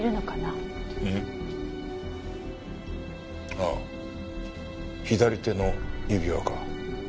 ああ左手の指輪か。